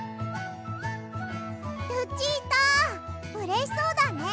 ルチータうれしそうだね。